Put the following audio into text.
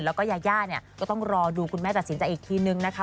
แล้วก็ยาย่าเนี่ยก็ต้องรอดูคุณแม่ตัดสินใจอีกทีนึงนะคะ